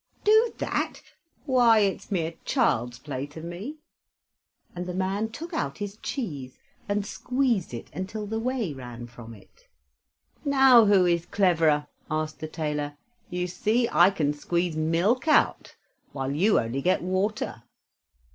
"Do that! Why, it's mere child's play to me," and the man took out his cheese and squeezed it until the whey ran from it. "Now who is cleverer?" asked the tailor. "You see, I can squeeze milk out, while you only get water."